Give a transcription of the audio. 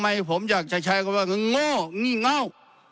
ทำไมผมอยากจะใช้คำว่าโง่งี้เงา